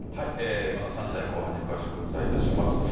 また３時台後半に詳しくお伝えいたします。